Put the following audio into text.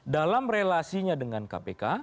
dalam relasinya dengan kpk